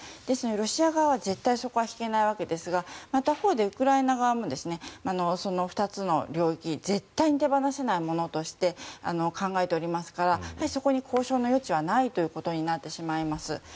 ですのでロシア側は絶対そこは引けないわけですが他方でウクライナ側もその２つの領域を絶対に手放せないものとして考えておりますからそこに交渉の余地はないということになってしまいます。